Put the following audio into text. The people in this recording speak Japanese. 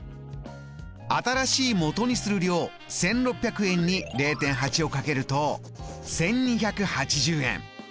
新しいもとにする量１６００円に０．８を掛けると１２８０円。